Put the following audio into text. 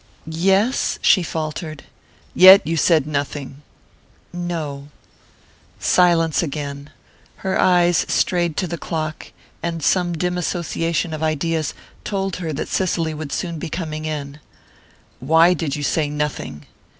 "Yes " she faltered. "Yet you said nothing." "No." Silence again. Her eyes strayed to the clock, and some dim association of ideas told her that Cicely would soon be coming in. "Why did you say nothing?"